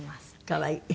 可愛い。